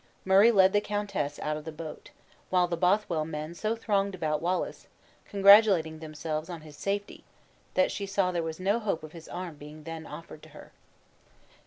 Murray led the countess out of the boat; while the Bothwell men so thronged about Wallace, congratulating themselves on his safety, that she saw there was no hope of his arm being then offered to her.